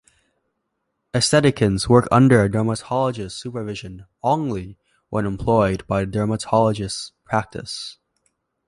Estheticians work under a dermatologist's supervision only when employed by the dermatologist's practice.